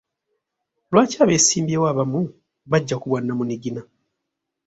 Lwaki abeesimbyewo abamu bajja ku bwannamunigina?